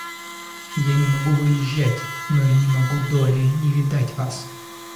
Я не могу выезжать, но и не могу долее не видать вас.